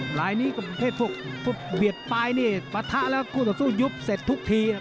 ลายนี้ประเภทพวกเบียดปลายนี่ปะทะแล้วคู่ต่อสู้ยุบเสร็จทุกที